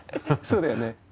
そうだよね。